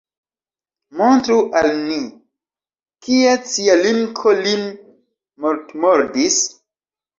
Montru al ni, kie cia linko lin mortmordis?!